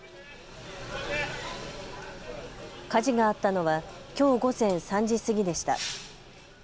火事があったのはきょう午前３時過ぎでした。